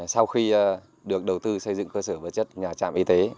sau khi được đầu tư xây dựng cơ sở vật chất nhà trạm y tế